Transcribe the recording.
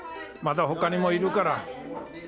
まだ他にもいるから。